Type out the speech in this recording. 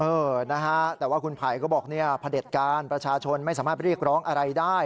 เออแต่ว่าคุณไพรบอกผลิตการประชาชนไม่สามารถเรียกร้องอะไรได้